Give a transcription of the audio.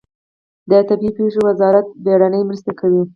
د طبیعي پیښو وزارت بیړنۍ مرستې کوي